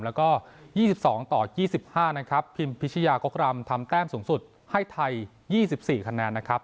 แล้วก็ยี่สิบสองต่อยี่สิบห้านะครับพิมพิชยากกรรมทำแต้มสูงสุดให้ไทยยี่สิบสี่คะแนนนะครับ